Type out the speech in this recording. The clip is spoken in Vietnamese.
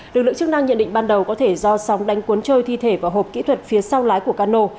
lực lượng chức năng nhận định ban đầu có thể do sóng đánh cuốn trôi thi thể và hộp kỹ thuật phía sau lái của cano